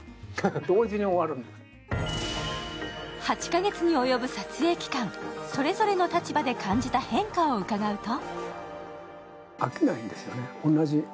８か月に及ぶ撮影期間、それぞれの立場で感じた変化を伺うと？